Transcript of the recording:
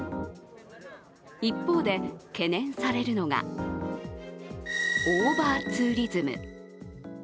一方で、懸念されるのが、オーバーツーリズム。